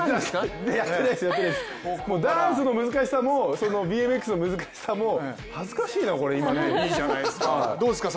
ダンスの難しさもＢＭＸの難しさもいいじゃないですか。